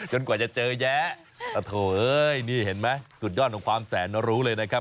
กว่าจะเจอแยะโถเอ้ยนี่เห็นไหมสุดยอดของความแสนรู้เลยนะครับ